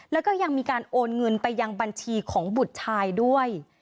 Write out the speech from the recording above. แล้วก็ยังมีการโอนเงินไปยังบัญชีของบุตรชายด้วย